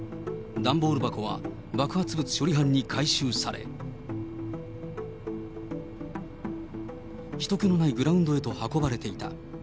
段ボール箱は爆発物処理班に回収され、ひと気のないグラウンドへと運ばれていた。